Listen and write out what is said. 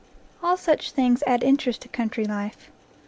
All such things add interest to country life.